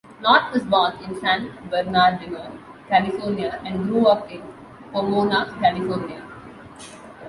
Knott was born in San Bernardino, California, and grew up in Pomona, California.